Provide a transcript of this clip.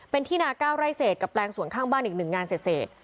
เป็นที่นา๙ไร่เศษกับแปลงสวนข้างบ้านอีก๑งานเศษ